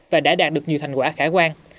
và đã đạt được nhiều thành quả khả quan